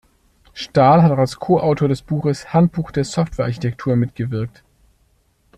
Stal hat auch als Koautor des Buches "„Handbuch der Software Architektur“" mitgewirkt.